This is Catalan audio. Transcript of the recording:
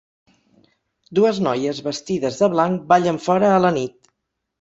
Dues noies vestides de blanc ballen fora a la nit.